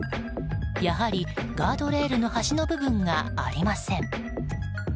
やはりガードレールの端の部分がありません。